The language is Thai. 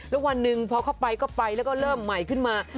แล้ววันหนึ่งพอเข้าไปก็ไปแล้วก็เริ่มใหม่ขึ้นมา